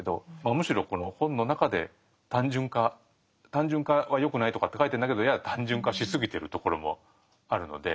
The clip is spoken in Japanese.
むしろこの本の中で単純化単純化はよくないとかって書いてるんだけどやや単純化しすぎてるところもあるので。